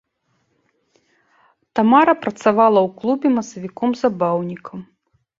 Тамара працавала ў клубе масавіком-забаўнікам.